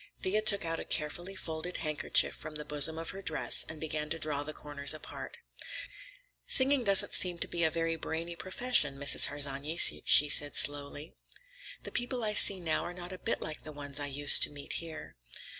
Thea took out a carefully folded handkerchief from the bosom of her dress and began to draw the corners apart. "Singing doesn't seem to be a very brainy profession, Mrs. Harsanyi," she said slowly. "The people I see now are not a bit like the ones I used to meet here.